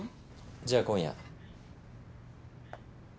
じゃあ今夜。